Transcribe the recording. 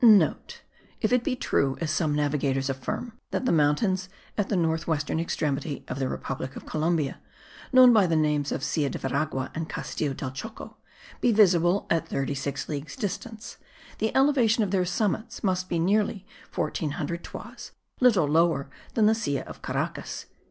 (* If it be true, as some navigators affirm, that the mountains at the north western extremity of the republic of Columbia, known by the names of Silla de Veragua, and Castillo del Choco, be visible at 36 leagues distance, the elevation of their summits must be nearly 1400 toises, little lower than the Silla of Caracas.)